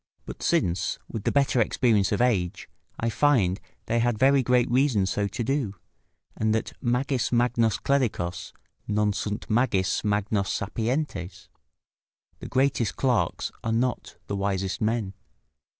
But since, with the better experience of age, I find they had very great reason so to do, and that "Magis magnos clericos non sunt magis magnos sapientes." ["The greatest clerks are not the wisest men."